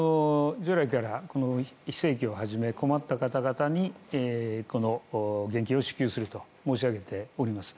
従来から非正規をはじめ困った方々に現金を支給すると申し上げております。